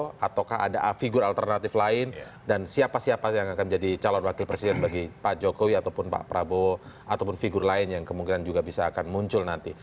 ataukah ada figur alternatif lain dan siapa siapa yang akan menjadi calon wakil presiden bagi pak jokowi ataupun pak prabowo ataupun figur lain yang kemungkinan juga bisa akan muncul nanti